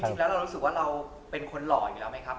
จริงแล้วเรารู้สึกว่าเราเป็นคนหล่ออยู่แล้วไหมครับ